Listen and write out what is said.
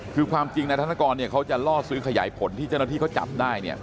คือความจริงนายธนกรเนี่ยเขาจะล่อซื้อขยายผลที่เจ้าหน้าที่เขาจับได้เนี่ย